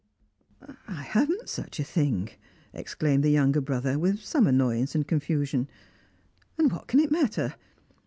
"I haven't such a thing," exclaimed the younger brother, with some annoyance and confusion. "And what can it matter?